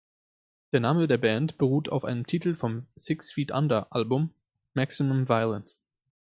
Der Name der Band beruht auf einem Titel vom Six-Feet-Under-Album "Maximum Violence".